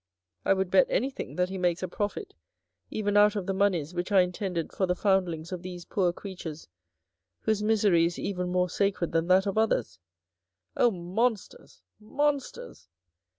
I would bet anything that he makes a profit even out of the monies which are intended for the foundlings of these poor creatures whose misery is even more sacred than that of others. Oh, Monsters ! Monsters